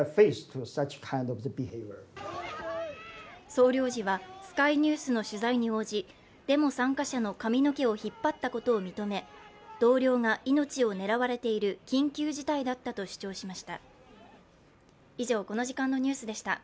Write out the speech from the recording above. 総領事はスカイニュースの取材に応じ、デモ参加者の髪の毛をひっぱったことを認め同僚が命を狙われている緊急事態だったと主張しました。